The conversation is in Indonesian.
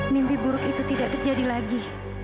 mimpi buruk itu tidak terjadi lagi